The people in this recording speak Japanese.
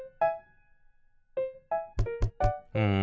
うん。